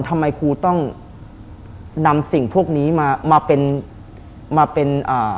ทำไมครูต้องนำสิ่งพวกนี้มาเป็น